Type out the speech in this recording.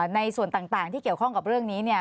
ในส่วนต่างที่เกี่ยวข้องกับเรื่องนี้เนี่ย